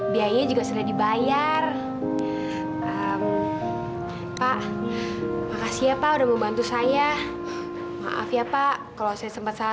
biayanya juga sudah dibayar pak makasih ya pak udah membantu saya maaf ya pak kalau saya sempat salah